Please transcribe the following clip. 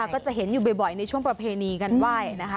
ก็จะเห็นอยู่บ่อยในช่วงประเพณีการไหว้นะคะ